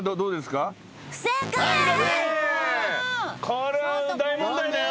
これは大問題だよ。